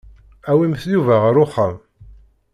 Awimt Yuba ɣer uxxam.